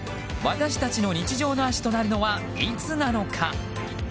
私たちの日常の足となるのはいつなのか。